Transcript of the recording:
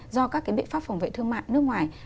do các biện pháp phòng vệ thương mại nước ngoài